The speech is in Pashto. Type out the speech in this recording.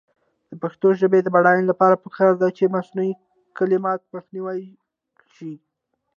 د پښتو ژبې د بډاینې لپاره پکار ده چې مصنوعي کلمات مخنیوی شي.